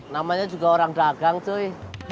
namanya juga orang dagang cui